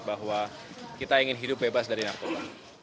bahwa kita ingin hidup bebas dari narkoba